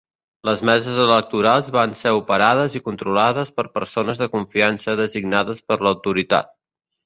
Les meses electorals van ser operades i controlades per persones de confiança designades per l'autoritat.